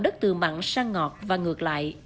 đất từ mặn sang ngọt và ngược lại